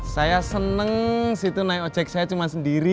saya seneng sih itu naik ojek saya cuma sendiri